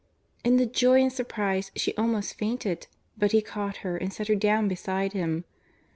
In the joy and surprise she almost fainted, but he caught her and set her down beside him.